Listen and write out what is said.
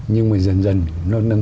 nhưng mà dần dần